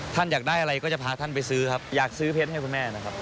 อยากได้อะไรก็จะพาท่านไปซื้อครับอยากซื้อเพชรให้คุณแม่นะครับ